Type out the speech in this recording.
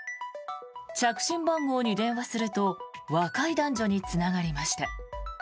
着信番号に電話すると若い男女につながりました。